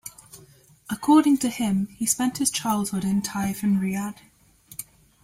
According to him, he spent his childhood in Taif and Riyadh.